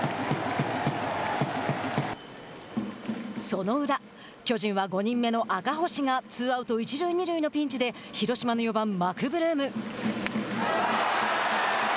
その裏、巨人は５人目の赤星がツーアウト、一塁二塁のピンチで広島の４番マクブルーム。